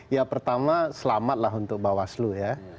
ya pertama selamatlah untuk bawaslu ya